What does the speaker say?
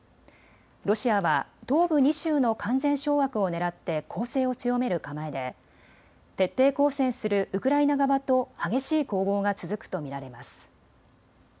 ロシアは東部２州の完全掌握を狙って攻勢を強める構えで徹底抗戦するウクライナ側と激しい攻防が続くと見られます。